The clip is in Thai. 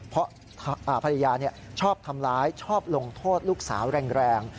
เพราะภรรยาชอบทำร้ายชอบลงโทษลูกสาวแรง